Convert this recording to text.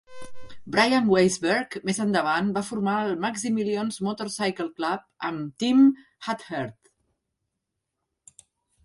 Bryan Weisberg més endavant va formar el Maximillion's Motorcycle Club amb Tim Huthert.